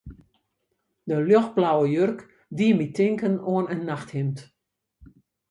De ljochtblauwe jurk die my tinken oan in nachthimd.